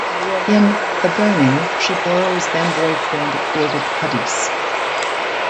In "The Burning" she borrows then-boyfriend David Puddy's.